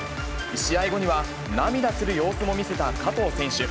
試合後には涙する様子も見せた加藤選手。